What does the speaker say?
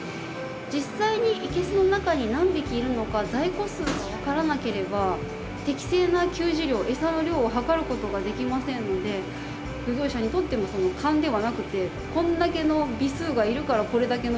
実際に生けすの中に何匹いるのか在庫数が分からなければ適正な給餌量餌の量を量ることができませんので漁業者にとってもその勘ではなくてこんだけの尾数がいるからこれだけの量っていう。